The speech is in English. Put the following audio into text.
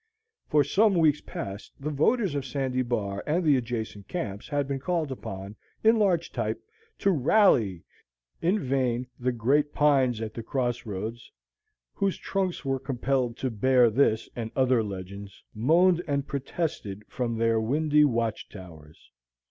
For some weeks past, the voters of Sandy Bar and the adjacent camps had been called upon, in large type, to "RALLY!" In vain the great pines at the cross roads whose trunks were compelled to bear this and other legends moaned and protested from their windy watch towers.